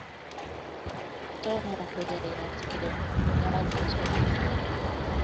Tomo koyayasge ngaal cheucho